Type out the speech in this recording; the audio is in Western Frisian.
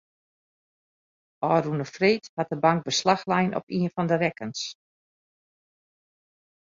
Ofrûne freed hat de bank beslach lein op ien fan de rekkens.